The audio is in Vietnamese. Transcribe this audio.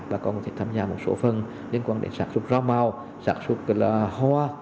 bà con có thể tham gia một số phần liên quan đến sản xuất rau màu sản xuất hoa